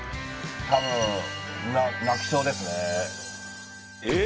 たぶん泣きそうですねえ